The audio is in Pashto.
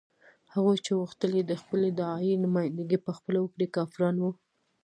هغوی چې غوښتل یې د خپلې داعیې نمايندګي په خپله وکړي کافران وو.